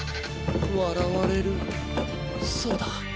わらわれるそうだ！